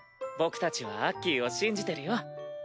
僕たちはアッキーを信じてるよ。